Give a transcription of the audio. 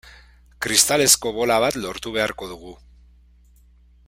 Kristalezko bola bat lortu beharko dugu.